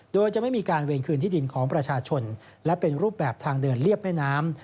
โดยจะไม่มีการเวรคืนที่ดินของประชาชนและเป็นรูปแบบทางเดินเรียบแม่น้ำ